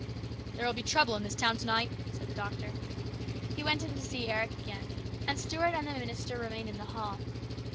" There will be trouble in this town to night," said the doctor. He went in to see Eric again, and Stuart and the minister remained in the hall.